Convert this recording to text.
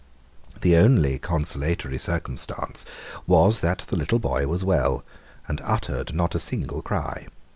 The only consolatory circumstance was that the little boy was well, and uttered not a single cry.